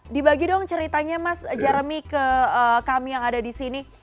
dibagi dong ceritanya mas jeremy ke kami yang ada di sini